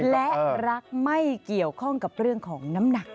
และรักไม่เกี่ยวข้องกับเรื่องของน้ำหนัก